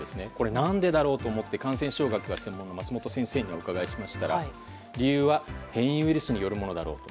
何でだろうと思って感染症学が専門の松本先生にお伺いしましたら理由は変異ウイルスによるものだと。